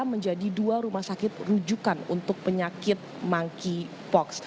menjadi dua rumah sakit rujukan untuk penyakit monkeypox